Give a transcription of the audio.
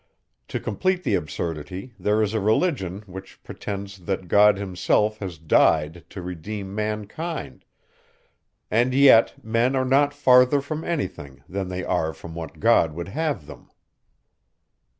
To complete the absurdity, there is a religion, which pretends, that God himself has died to redeem mankind; and yet, men are not farther from any thing, than they are from what God would have them.